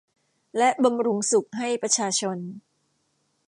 และบำรุงสุขให้ประชาชน